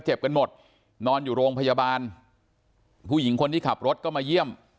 กันหมดนอนอยู่โรงพยาบาลผู้หญิงคนที่ขับรถก็มาเยี่ยม